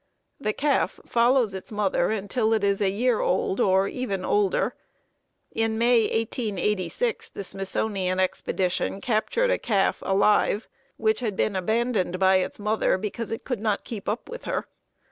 The calf follows its mother until it is a year old, or even older. In May, 1886, the Smithsonian expedition captured a calf alive, which had been abandoned by its mother because it could not keep up with her.